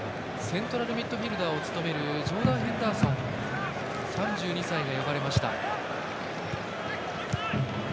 セントラルミッドフィールダーを務めるジョーダン・ヘンダーソン３２歳が呼ばれました。